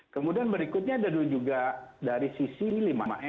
kemudian berikutnya ada juga dari sisi lima m